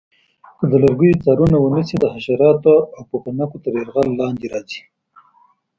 که د لرګیو څارنه ونه شي د حشراتو او پوپنکو تر یرغل لاندې راځي.